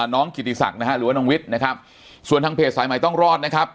กิติศักดิ์นะฮะหรือว่าน้องวิทย์นะครับส่วนทางเพจสายใหม่ต้องรอดนะครับ